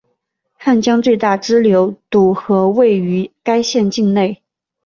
汉江最大支流堵河位于该县境内。